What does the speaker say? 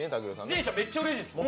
自転車、めっちゃうれしいです。